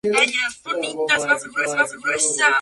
Estudió en la Universidad St.